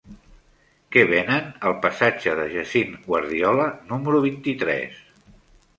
Què venen al passatge de Jacint Guardiola número vint-i-tres?